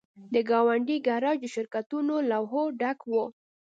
د ګاونډۍ ګراج د شرکتونو له لوحو ډک و